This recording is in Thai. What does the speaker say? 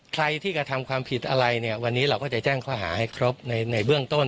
ใครที่กระทำความผิดอะไรเนี่ยวันนี้เราก็จะแจ้งข้อหาให้ครบในเบื้องต้น